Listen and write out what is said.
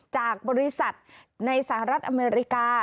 จากบริษัทในสหรัฐอเมริกา